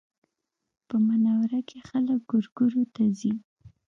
په منوره کې خلک ګورګورو ته ځي